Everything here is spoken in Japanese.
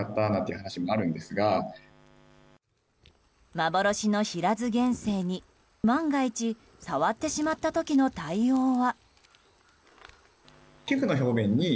幻のヒラズゲンセイに、万が一触ってしまった時の対応は。